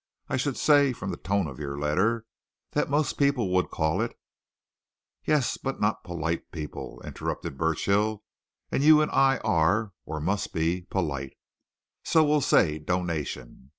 "I should say, from the tone of your letter, that most people would call it " "Yes, but not polite people," interrupted Burchill, "and you and I are or must be polite. So we'll say donation.